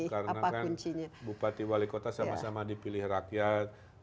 karena kan bupati wali kota sama sama dipilih rakyat